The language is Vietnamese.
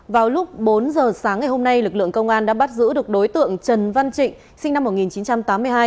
vào lúc bốn giờ sáng ngày hôm nay lực lượng công an đã bắt giữ được đối tượng trần văn trịnh sinh năm một nghìn chín trăm tám mươi hai